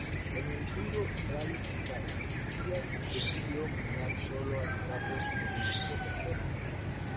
En el duro Rally Safari, Fiat decidió mandar solo al Stratos que finalizó tercero.